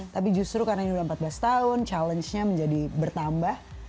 tapi justru karena ini udah empat belas tahun tantangannya menjadi bertambah